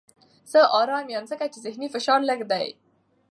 زه ارام یم ځکه چې ذهني فشار لږ دی.